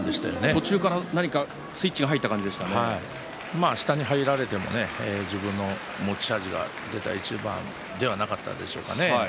途中から何かスイッチが入ったような下に入られても自分の持ち味が出た一番じゃないでしょうか。